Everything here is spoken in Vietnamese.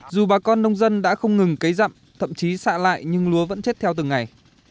dù bà con nông dân đã không ngừng cấy rậm thậm chí xạ lại nhưng lúa vẫn chết theo từng ngày